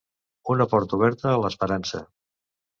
Una porta oberta a l'esperança.